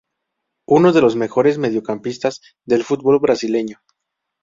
Uno de los mejores mediocampistas del fútbol Brasileño.